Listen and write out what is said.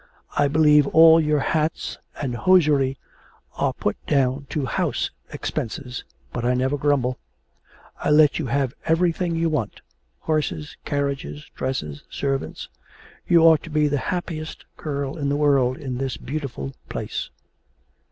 I believe all your hats and hosiery are put down to house expenses, but I never grumble. I let you have everything you want horses, carriages, dresses, servants. You ought to be the happiest girl in the world in this beautiful place.'